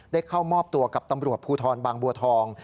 เข้ามอบตัวกับตำรวจภูทรบางบัวทอง